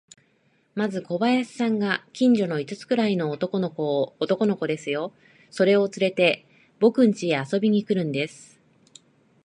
まず小林さんが、近所の五つくらいの男の子を、男の子ですよ、それをつれて、ぼくんちへ遊びに来るんです。